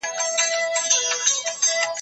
که وخت وي، کتابتون ته راځم!.